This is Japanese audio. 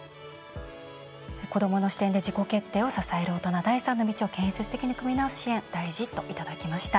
子どもの視点で自己決定を支える大人第三の道を建設的に組み直す支援が大事といただきました。